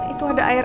itu ada air